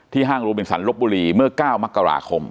ที่ห้างรุบเปลี่ยงสั่นลบบุรีเมื่อ๙มกราคม